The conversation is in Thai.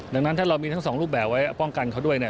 ดังนั้นถ้าเรามีทั้งสองรูปแบบไว้ป้องกันเขาด้วยเนี่ย